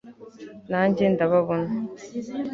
Nanjye ndababona